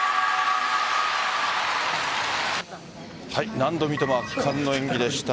何度見ても圧巻の演技でした。